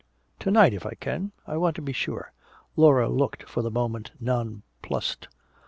"To night, if I can. I want to be sure." Laura looked for the moment nonplussed.